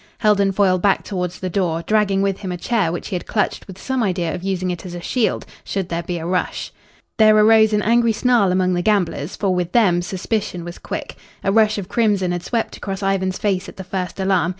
Heldon Foyle backed towards the door, dragging with him a chair which he had clutched with some idea of using it as a shield should there be a rush. There arose an angry snarl among the gamblers, for with them suspicion was quick. A rush of crimson had swept across Ivan's face at the first alarm.